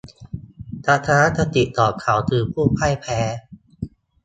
ทัศนคติของเขาคือผู้พ่ายแพ้